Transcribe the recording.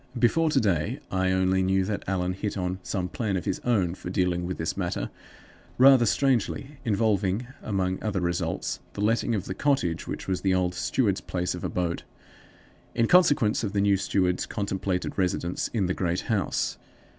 Before to day I only knew that Allan had hit on some plan of his own for dealing with this matter, rather strangely involving, among other results, the letting of the cottage which was the old steward's place of abode, in consequence of the new steward's contemplated residence in the great house.